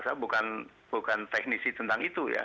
saya bukan teknisi tentang itu ya